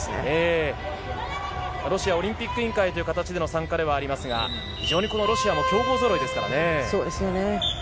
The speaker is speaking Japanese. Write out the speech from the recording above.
ロシアはオリンピック委員会での参加ではありますが、非常にロシアの強豪ぞろいですからね。